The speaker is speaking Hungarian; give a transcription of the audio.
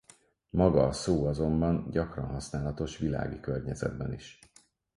Maga a szó azonban gyakran használatos világi környezetben is.